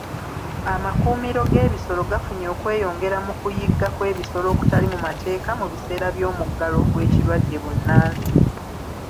Amakuumiro g'ebisolo gafunye okweyongera mu kuyigga kw'ebisolo okutali mu mateeka mu biseera by'omuggalo gw'ekirwadde bbunansi.